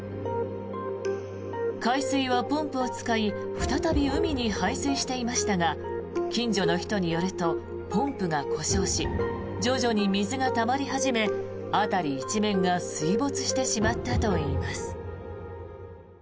海水はポンプを使い再び海に排水していましたが近所の人によるとポンプが故障し徐々に水がたまり始め辺り一面が水没してしまったといいます。